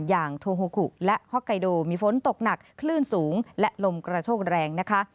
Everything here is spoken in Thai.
อย่างโทโฮกุและฮอกไกโดมีฝนตกหนักคลื่นสูงและลมกระโชกแรงนะคะ